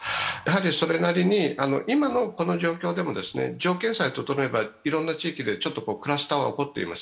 それなりに、今のこの状況でも条件さえ整えばいろんな地域でちょっとクラスターは起こっています。